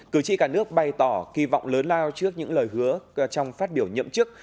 cử tri cả nước bày tỏ kỳ vọng lớn lao trước những lời hứa trong phát biểu nhậm chức